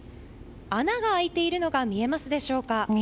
穴が開いているのが見えますでしょうか。